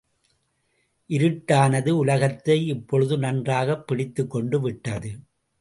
இருட்டானது உலகத்தை இப்பொழுது நன்றாகப் பிடித்துக்கொண்டு விட்டது.